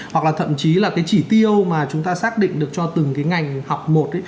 hoặc là thậm chí là cái chỉ tiêu mà chúng ta xác định được cho từng cái ngành học một ấy